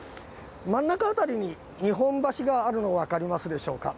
真ん中あたりに日本橋があるのわかりますでしょうか？